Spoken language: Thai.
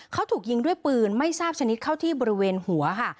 เขาถูกยิงด้วยปืนไม่ทราบชนิดเข้าที่บริเวณหัวค่ะ